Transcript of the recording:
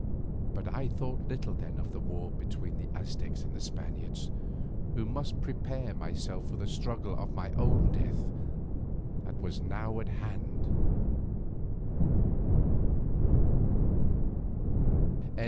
But I thought little then of the war between the Aztecs and the Spaniards, who must prepare myself for the struggle of my own death that was now at hand.